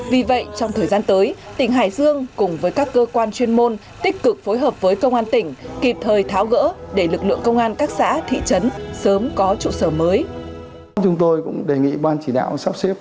vì vậy trong thời gian tới tỉnh hải dương cùng với các cơ quan chuyên môn tích cực phối hợp với công an tỉnh kịp thời tháo gỡ để lực lượng công an các xã thị trấn sớm có trụ sở mới